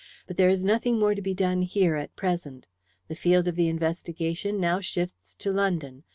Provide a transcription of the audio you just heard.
But there is nothing more to be done here at present. The field of the investigation now shifts to London.